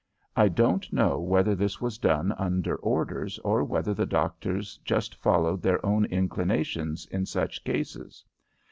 I don't know whether this was done under orders or whether the doctors just followed their own inclinations in such cases.